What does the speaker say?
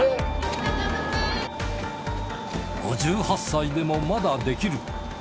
５８歳でもまだできる。